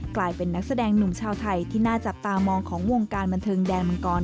กลายเป็นนักแสดงหนุ่มชาวไทยที่น่าจับตามองของวงการบันเทิงแดนมังกร